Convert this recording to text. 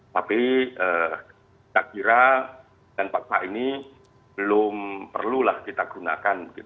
tapi kita kira dan fakta ini belum perlulah kita gunakan